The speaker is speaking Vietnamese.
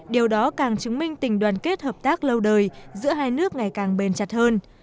điều đó càng chứng minh tình đoàn kết hợp tác lâu đời giữa hai nước ngày càng bền chặt hơn